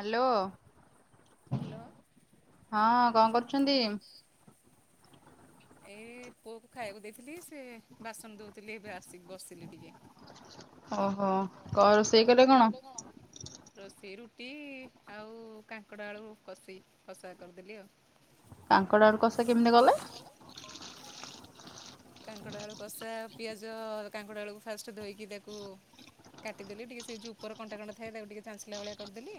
Hello. Hello. ହଁ କଣ କରୁଛନ୍ତି? ଏଇ ପୁଅକୁ ଖାଇବାକୁ ଦେଇଥିଲି ସେ ବାସନ ଦେଉଥିଲି ଏବେ ଆସି ବସିଲି ଟିକେ। ଓହୋ କ ରୋଷେଇ କଲେ କଣ? ରୋଷେଇ ରୁଟି ଆଉ କାଙ୍କଡ଼ା ଆଳୁ କଷି କଷା କରିଦେଲି ଆଉ। କାଙ୍କଡ ଆଳୁ କସା ଟା କେମିତି କଲେ? କାଙ୍କଡ଼ ଆଳୁ କଷା ପିଆଜ କାଙ୍କଡ଼ ଆଳୁ କୁ ଫାଷ୍ଟ ଧୋଇକି ତାକୁ କାଟିଦେଲି ଟିକେ ସେ ଯୋଉ ଉପର କଣ୍ଟା କଣ୍ଟା ଥାଏ ତାକୁ ଟିକେ ଚାଞ୍ଚିଲା ଭଳିଆ କରିଦେଲି।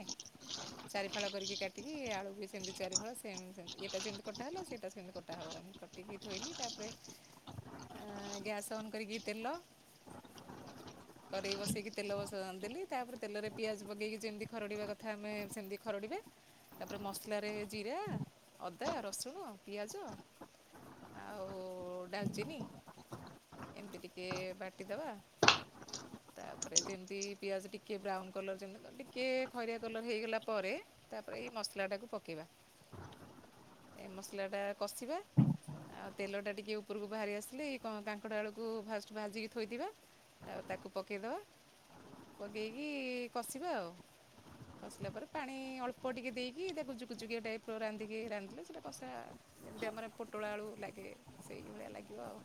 ଚାରି ଫାଳ କରିକି କାଟିକି ଆଳୁ ବି ସେମିତି ଚାରି ଫାଳ ସେମ୍ ଏଇଟା ଯେମିତି କଟା ହେଲା ସେଇଟା ସେମିତି କଟା ହବ। ଟିକି ଧୋଇଲି ତାପରେ ଆ ଗ୍ୟାସ୍ ଅନ୍ କରିକି ତେଲ ହ କରେଇ ବସେଇକି ତେଲ ଦେଲି ତାପରେ ତେଲରେ ପିଆଜ ପକେଇକି ଯେମିତି ଖରଡ଼ିବା କଥା ଆମେ ସେମିତି ଖରଡ଼ିବା। ତାପରେ ମସଲାରେ ଜିରା ଅଦା ରସୁଣ ପିଆଜ ଆଉ ଡାଲଚିନି ଏମିତି ଟିକେ ବାଟିଦବା। ତାପରେ ଯେମିତି ପିଆଜ ଟିକେ ବ୍ରାଉନ କଲର ଯେମିତି ଟିକେ ଖରିଆ କଲର ହେଇଗଲା ପରେ ତାପରେ ଏଇ ମସଲା ଟାକୁ ପକେଇବା। ଏ ମସଲାଟା କଷିବା ଆଉ ତେଲଟା ଟିକେ ଉପରକୁ ବାହାରି ଆସିଲି କାଙ୍କଡ଼ ଆଳୁ କୁ ଫାଷ୍ଟ ଭାଜିକି ଥୋଇଦବା। ଆଉ ତାକୁ ପକେଇଦବା ପକେଇକି କଷିବା ଆଉ। କସିଲା ପରେ ପାଣି ଅଳ୍ପ ଟିକେ ଦେଇକି ତାକୁ ଜୁକୁଜୁକିଆ ଟାଇପ୍ର ରାନ୍ଧିକି ରାନ୍ଧିଲେ ସେଟା କଷା ଯେମିତି ଆମର ପୋଟଳ ଆଳୁ ଲାଗେ ସେଇ ଭଳିଆ ଲାଗିବ ଆଉ।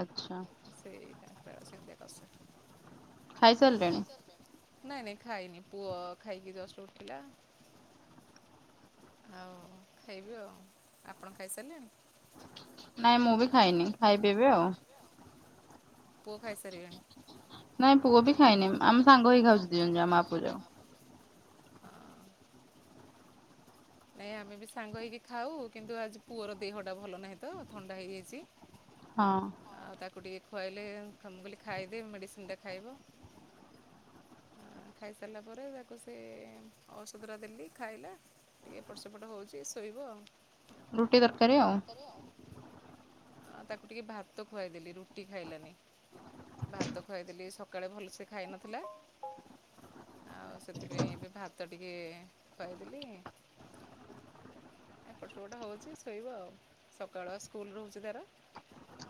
ଆଚ୍ଛା। ସେଇ ତାଙ୍କର ସେମିତିଆ କସା। ନାଇଁ ନାଇଁ ଖାଇନି ପୁଅ ଖାଇକି ଜଷ୍ଟ ଉଠିଲା। ଆଉ ଖାଇବି ଆଉ ଆପଣ ଖାଇସାରିଲେଣି? ନାଇଁ ମୁଁ ବି ଖାଇନି ଖାଇବି ଏବେ ଆଉ। ପୁଅ ଖାଇ ସାରି ବେଣି। ନାଇଁ ପୁଅ ବି ଖାଇନି ଆମ ସାଙ୍ଗ ହେଇ ଖାଉଛି ଦି ଜଣ ଯାକ ମାଆ ପୁଅ ଯାକ। ହଁ। ନାଇଁ ଆମେ ବି ସାଙ୍ଗ ହେଇକି ଖାଉ କିନ୍ତୁ ଆଜି ପୁଅର ଦେହଟା ଭଲ ନାହିଁ ତ ଥଣ୍ଡା ହେଇଯାଇଛି। ହଁ। ଆଉ ତାକୁ ଟିକେ ଖୁଆଇଲେ କ କଲି ଖାଇଦେ ମେଡିସିନ ଟା ଖାଇବ। ଖାଇସାରିଲା ପରେ ତାକୁ ସେ ଔଷଧ ଟା ଦେଲି ଖାଇଲା। ଟିକେ ଏପଟସେପଟ ହୋଉଛି ଶୋଇବ ଆଉ। ହଁ ତାକୁ ଟିକେ ଭାତ ଖୁଆଇଦେଲି ରୁଟି ଖାଇଲାନି। ଭାତ ଖାଇଥିଲି ସକାଳେ ଭଲସେ ଖାଇନଥିଲା। ଆଉ ସେଥିପାଇଁ ଏବେ ଭାତ ଟିକି ଖୁଆଇଦେଲି। ଏପଟ ସପଟେ ହେଉଛି ଶୋଇବ ଆଉ। ସକାଳ ସ୍କୁଲ୍ ରହୁଛି ତାର।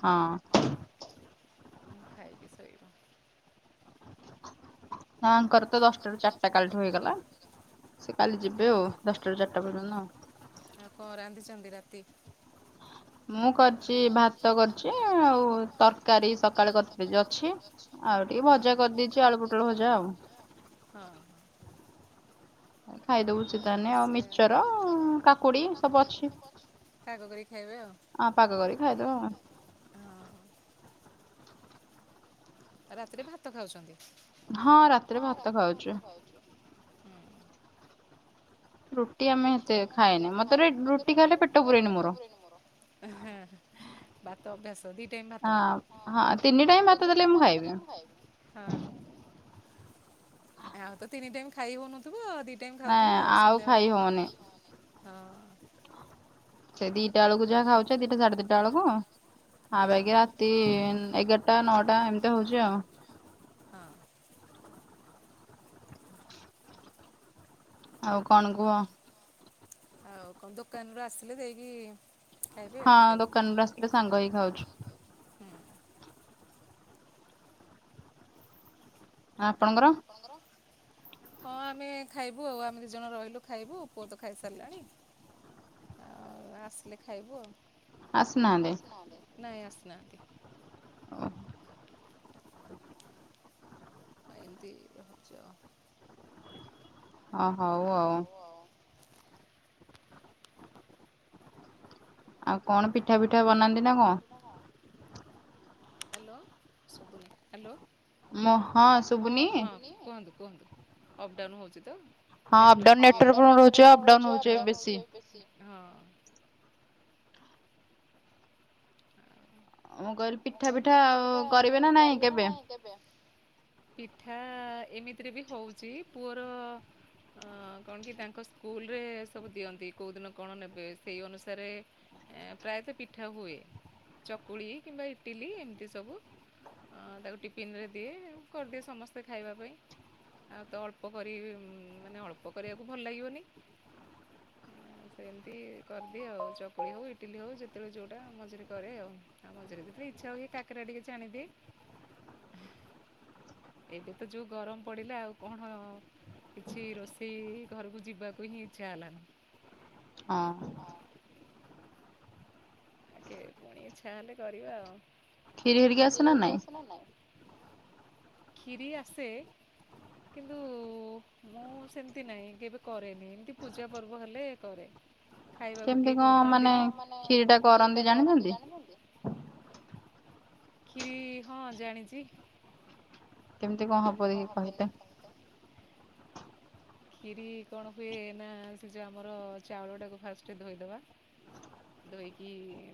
ହଁ। ହଁ ମୁଁ ଖାଇକି ଶୋଇିବ। ହଁ ଆଙ୍କର ତ ଦଶଟାରୁ ଚାରିଟା କାଲିଠୁ ହେଇଗଲା, ସେ କାଲି ଯିବେ ଆଉ ଦଶଟାରୁ ଚାରିଟା ପର୍ଯ୍ୟନ୍ତ। ଆ କଣ ରାନ୍ଧି ଛନ୍ତି ରାତି? ମୁଁ କରିଛି ଭାତ କରିଛି ଆଉ ତରକାରୀ ସକାଳେ କରି ଥିଲି ଯେ ଅଛି। ଆଉ ଟିକେ ଭଜା କରିଦେଇଛି ଆଳୁ ପୋଟଳ ଭଜା ଆଉ। ହଁ। ଖାଇଦଉଛି ତାହାନଲେ ଆଉ ମିକ୍ଚର୍ କାକୁଡି ସବୁ ଅଛି। ହଁ ପାଗ କରି ଖାଇଛବା। ରାତିରେ ଭାତ ଖାଉଛନ୍ତି? ହଁ ରାତିରେ ଭାତ ଖାଉଚୁ। ହୁ। ରୁଟି ଆମେ ଏତେ ଖାଏନି। ମତେ ରୁଟି ଖାଇଲେ ପେଟ ପୁରେନି ମୋର। ହଁ ବାଟ ଅଭ୍ୟାସ ତ ଦି ଟାଇମ୍ ଭାତ? ହଁ ହଁ ତିନି ଟାଇମ୍ ଭାତ ଦେଲେ ମୁଁ ଖାଇବି। ଆଉ ତ ତିନି ଟାଇମ୍ ଖାଇ ହଉନଥିବ, ଆଉ ଦି ଟାଇମ୍ ଖାଉଥିବେ ଆଉ ସନ୍ଧ୍ୟାବେଳେ? ହଁ। ସେ ଦିଟା ବେଳକୁ ଯାହା ଖାଉଛେ ଦିଟା ସାଢେ ଦିଟା ବେଳକୁ ଆଉ ବାକି ରା ରାତି ଏଗାରଟା ନଅଟା ଏମିତି ହଉଛି ଆଉ। ହଁ। ଆଉ କଣ କୁହ? ଆଉ କଣ ଦୋକାନରୁୁ ଆସିଲେ ଦେଇକି ହଁ ଦୋକାନରୁ ଆସିଲେ ସାଙ୍ଗ ହେଇ ଖାଉଛୁ। ଆପଣଙ୍କର? ହଁ ଆମେ ଖାଇବୁ ଆଉ ଆମେ ଦି ଜଣ ରହିଲୁ ଖାଇବୁ ପୁଅ ତ ଖାଇସାରିଲାଣି। ଆଉ ଆସିଲେ ଖାଇବୁ ଆଉ। ନାଇଁ ଆସିନାହାନ୍ତି। ଓ ଆଉ ଏମିତି ରହୁଛ? ଓ ହଉ ଆଉ। ଆଉ କଣ ପିଠା ପିଠା ବନାନ୍ତି ନା କଣ? ନହ ହାଲୋ ଶୁଭୁନି, ହାଲୋ [unintelligible] କୁହନ୍ତୁ କୁହନ୍ତୁ? ଅପ ଡାଉନ୍ ହଉଛି ତ। [unintelligible] ମୁଁ କଇଲି ମୁଁ କଇଲି ପିଠା ପିଠା ଆଉ କରିବେ ନା ନାହିଁ କେବେ? ପିଠା ଏମିତିରେ ବି ହଉଛି। ପୁଅର ଅ କଣ କି ତାଙ୍କ ସ୍କୁଲ୍ ରେ ସବୁ ଦିଅନ୍ତି, କୋଉ ଦିନ କଣ ନେବେ ସେଇ ଅନୁସାରେ ଏ ପ୍ରାୟତଃ ପିଠା ହୁଏ ଚକୁଳି କିମ୍ବା ଇଟିଲି ଏମିତି ସବୁ। ହଁ ତାକୁ ଟିଫିନ୍ ରେ ଦିଏ କରିଦିଏ ସମସ୍ତେ ଖାଇବା ପାଇଁ। ଆଉ ତ ଅଳ୍ପ କରି ମାନେ ଅଳ୍ପ କରିବାକୁ ଭଲ ଲାଗିବନି। ସେମିତି କରିଦିଏ ଆଉ, ଚକୁଳି ହଉ ଇଟିଲି ହଉ ଯେତେବେଳେ ଯେଉଟା ମଝିରେ କରେ ଆଉ। ଆଉ ମଝିରେ ବି ତରେ ଇଚ୍ଛା ହୁଏ କାକରା ଟିକେ ଚ୍ଛାଣିଦିଏ। ଏବେ ତ ଯୋଉ ଗରମ ପଡ଼ିଲା ଆଉ କଣ। କିଛି ରୋଷେଇ ଘରକୁ ଯିବାକୁ ହିଁ ଇଚ୍ଛା ହେଲାନି। ହଁ। ଆ ପୁଣି ଇଛା ହେଲେ କରିବା ଆଉ। [unintelligible] ଖିରି ଆସେ। କିନ୍ତୁ ମୁଁ ସେମିତି ନାହିଁ କେବେ କରେନି ଏମିତି ପୂଜା ପର୍ବ ହେଲେ କରେ। କେମିତି କଣ ମାନେ କ୍ଷିରୀ ଟା କରନ୍ତି ଜାଣିଛନ୍ତି? ଖିରି ହଁ ଜାଣିଛି। କେମିତି କଣ ହବ ଦେଖି କହିଲେ। ଖିରି କଣ ହୁଏ ନା ସେ ଯେଉ ଆମର ଚାଉଳଟାକୁ ଫାଷ୍ଟ ଧୋଇଦବା। ଧୋଇକି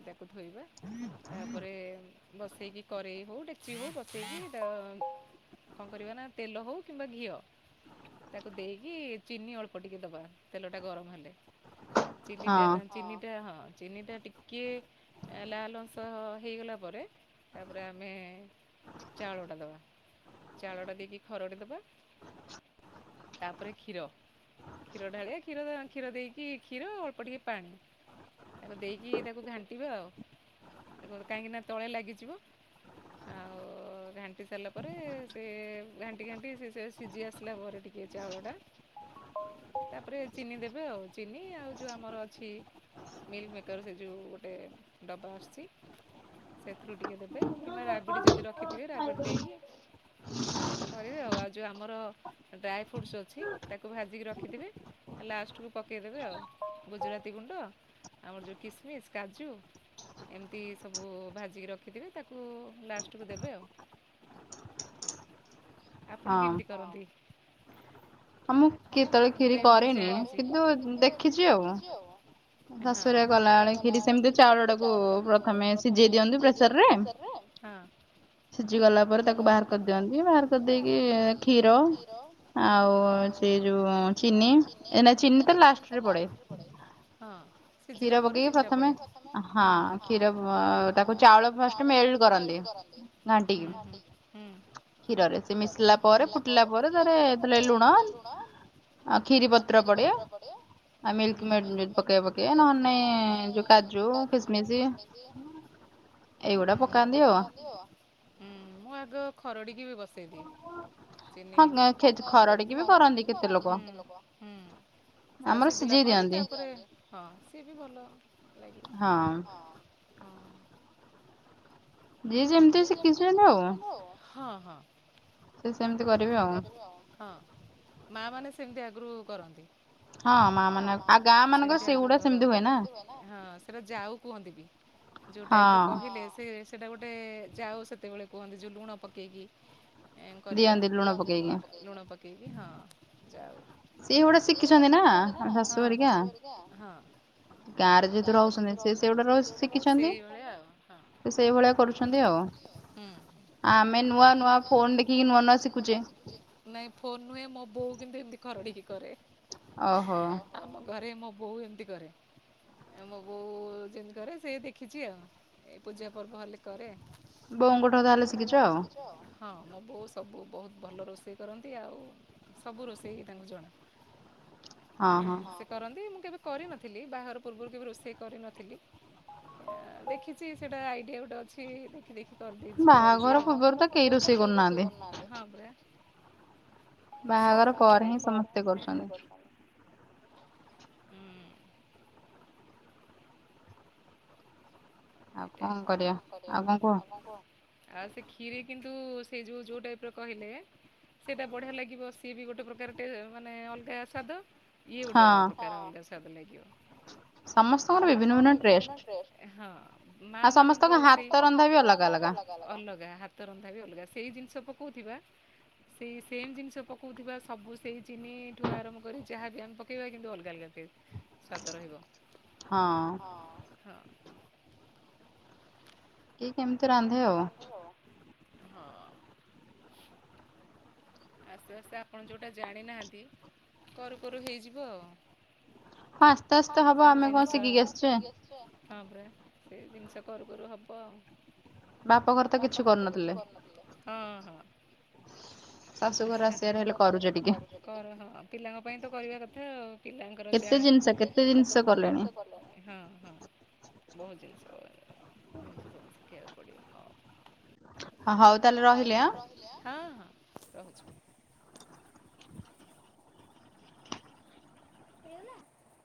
ତାକୁ ଧୋଇବା। ତାପରେ ବସେଇକି କରେଇ ହଉ ଡେକ୍ଚି ହଉ ବସେଇକି ତା କଣ କରିବା ନା ତେଲ ହଉ କିମ୍ବା ଘିଅ ତାକୁ ଦେଇ କି ଚିନି ଅଳ୍ପ ଟିକେ ଦବ, ତେଲ ଟା ଗରମ ହେଲେ ଚିନିଟା ଚିନିଟା ହଁ। ଚିନି ଟା ଟିକେ ଲାଲ ଅଂଶ ହେଇଗଲା ପରେ ତାପରେ ଆମେ ଚାଉଳଟା ଦେବା ଚାଉଳଟା ଦେଇକି ଖରଡି ଦେବା। ତାପରେ କ୍ଷୀର, କ୍ଷୀର ଢାଳିିବା କ୍ଷୀର କ୍ଷୀର ଦେଇକି କ୍ଷୀର ଅଳ୍ପ ଟିକେ ପାଣି। ତାକୁ ଦେଇକି ତାକୁ ଘାଣ୍ଟିବା ଆଉ ତା କାହିଁକି ନା ତଳେ ଲାଗିଯିବ। ଆଉ ଘାଣ୍ଟି ସାରିଲା ପରେ, ସେ ଘାଣ୍ଟି ଘାଣ୍ଟି ସେ ସେ ସିଝି ଆସିଲା ପରେ ଟିକିଏ ଚାଉଳ ଟା ତାପରେ ଚିନି ଦେବେ, ଆଉ ଚିନି ଆଉ ଯୋଉ ଆମର ଅଛି। ମିଲ୍କ ମେକର୍ ସେ ଯୋଉ ଗୋଟେ ଡବା ଆସୁଛି ସେଥିରୁ ଟିକେ ଦେବେ, କିମ୍ବା ରାବିଡ଼ି ଯଦି ରଖିଥିବେ ରାବିଡ଼ି ଦେଇକି କରିବେ ଆଉ, ଆଉ ଯଉ ଆମର ଡ୍ରାଏ ଫ୍ରୁଟସ୍ ଅଛି ତାକୁ ଭାଜିକି ରଖିଥିବେ। ଲାଷ୍ଟକୁ ପକେଇଦେବେ ଆଉ ଗୁଜୁରାତି ଗୁଣ୍ଡ ଆମର ଯୋଉ କିସମିସ୍ କାଜୁ। ଏମିତି ସବୁ ଭାଜିକି ରଖିଥିବେ ତାକୁ ଲାଷ୍ଟକୁ ଦେବେ ଆଉ। [inaudible] ଆପଣ କେମିତି କରନ୍ତି? ହଁ ମୁଁ କିନ୍ତୁ କରେନି ଦେଖିଛି ଆଉ। କଲାବେଳେ କ୍ଷୀରି ସେମିତି ଚାଉଳ ଟାକୁ ପ୍ରଥମେ ସିଝେଇ ଦିଅନ୍ତୁ ପ୍ରେସରରେ। ହଁ। ସିଝି ଗଲା ପରେ ତାକୁ ବାହାର କରିଦିଅନ୍ତି, ବାହାର କରିଦେଇକି କ୍ଷୀର ଆଉ ସେ ଯୋଉ ଚିନି ଏ ନା ଚିନି ତ ଲାଷ୍ଟରେ ପଡେ। ହଁ। ସିଝିଲା ପରେ ଚିନି ଟା ପଡ଼େ ହୁଁ। [unintelligible] [unintelligible] [unintelligible] ପକେଇବ ପକେଇବ ନହେଲେ ଯୋଉ କାଜୁ କିସ୍ ମିସ୍ ଏଉଡା ପକାନ୍ତି ଆଉ। ହୁଁ ମୁଁ ଆଗ ଖରଡ଼ିକି ବି ବସେଇଦିଏ ଚିନି ଖରାଡ଼ିକି ବି କରନ୍ତି କିଛି ଲୋକ ସେଟା ସିଝିଲା ପରେ ତା ହଁ ସି ବି ଭଲ ଲାଗିଲ ହ ହ ଏ ଜନତା ସେ କିଛିମ ହ ହଁ ହଁ [unintelligible] ହଁ ମା ମାନେ ସେମିତି ଆଗରୁ କରନ୍ତି। ହଁ ମା ମାନେ [unintelligible] ହଁ ସେରା ଯାଉ କୁହନ୍ତି ବି ଯୋଉ ଟାଇପ ର କହିଲେ ସେ ସେଟା ଗୋଟେ ଯାଉ ସେତେବେଳେ କୁହନ୍ତି ଯୋଉ ଲୁଣ ପକେଇକି କରିବା ଲୁଣ ପକେଇକି ହଁ ଯାଉ। ସିଏ ଗୋଟେ ଶିଖିଚନ୍ତି ନା ଶାଶୁ ହାରିକା। କାର ଯେତ [unintelligible] ସେଇଭଳିଆ କରୁଛନ୍ତି ଆଉ ଆମେ ନୂଆ ନୂଆ ଫୋନ ଦେ ନାଇଁ ଫୋନ୍ ନୁହେଁ ମୋ ବୋଉ କିନ୍ତୁ ଏମତି ଖଟିକି କରେ। ଓହୋ। ଆମ ଘରେ ମୋ ବୋଉ ଏମିତି କରେ। ଆ ମୋ ବୋଉ ଯେମିତି କରେ ସେ ଦେଖିଚି ଆଉ ଏ ପୂଜା ପର୍ବ ହେଲେ କରେ। ବୋଉଙ୍କ ଠାରୁ ଯା ହେଲେ ଶିଖିଚ ଆଉ। ଆମ ବୋଉ ସବୁ ବୋହୁତ ଭଲ ରୋଷେଇ କରନ୍ତି ଆଉ ସବୁ ରୋଷେଇ ତାଙ୍କୁ ଜଣା। [inaudible] ସେ କରନ୍ତି ମୁଁ କେବେ କରିନଥିଲି ବାହାଘର ପୂର୍ବରୁ କେବେ ରୋଷେଇ କରିନଥିଲି। ଆ ଦେଖିଚି ସେଟା ଆଇଡିଆ ଗୋଟେ ଅଛି ଦେଖି ଦେଖି କରିଦେଇଚୁ କରିଦିଅ ହଁ ପରା। କଣ କରିବା ଆଉ କଣ କୁହ। ଆଉ ସେ କ୍ଷୀର କିନ୍ତୁ ସେ ଯୋଉ ଯୋଉ ଟାଇପର କହିଲେ? ସେଇଟା ବଢିଆ ଲାଗିବ ସିଏ ବି ଗୋଟେ ପ୍ରକାର ଟେ ମାନେ ଅଲଗା ସ୍ୱାଦ। ଇଏ ଗୋଟେ ଅ ପ୍ରକାର ସମସ୍ତଙ୍କର ବିଭିନ୍ନ ଭିନ୍ନ ଟେଷ୍ଟ। ମା ମାନଙ୍କର ରୋସେଇ ଅଲଗା ହାତ ରନ୍ଧା ବି ଅଲଗା ସେଇ ଜିନିଷ ପକୋ ଉଥିବା। ସେଇ ସେମ୍ ଜିନିଷ ପକଉଥିବା ସବୁ ସେଇ ଚିନିଠୁ ଆରମ୍ଭ କରି ଚାହାବି ଆମେ ପକେଇବା କିନ୍ତୁ ଅଲଗା ଅଲଗା ପକେଇବା। [inaudible] ସ୍ଵାଦ ରହିବ ହଁ ହଁ। [unintelligible] ଆସ୍ତେ ଆସ୍ତେ ଆପଣ ଯୋଉଟା ଜାଣିନାହାନ୍ତି କରୁ କରୁ ହେଇଯିବ ଆଉ। [unintelligible] ହଁ ପରା ସେଇ ଜିନିଷ କରୁ କରୁ ହବ ଆଉ। ବାପଘରେ ତ କିଛି କରୁନଥିଲେ। ହଁ ପିଲାଙ୍କ ପାଇଁ ତ କରିବା କଥା ଆଉ। ପିଲାଙ୍କର ଯାହା ହଁ ହଁ ବୋହୁତ ଜିନିଷ ଜିନିଷ ସବୁ ଶିଖିବାକୁ ପଡ଼ିବ ହଉ। ହଉ ତାଲେ ରହିଲି ଆଁ। ହେଇ ଗଲା?